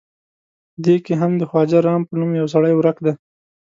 په دې کې هم د خواجه رام په نوم یو سړی ورک دی.